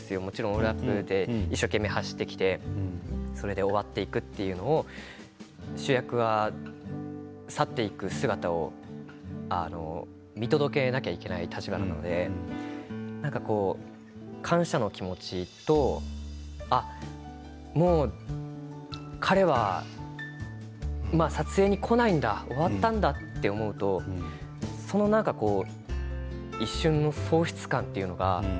オールアップで一生懸命走ってきて終わっていくというのは主役は去っていく姿を見届けなくてはいけない立場なので感謝の気持ちともう、彼は撮影に来ないんだ、終わったんだと思うと一瞬の喪失感というのか